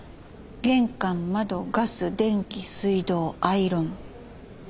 「玄関」「窓」「ガス」「電気」「水道」「アイロン」。